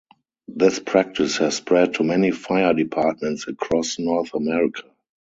This practice has spread to many Fire Departments across North America.